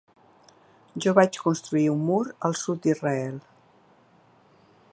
Jo vaig construir un mur al sud d’Israel.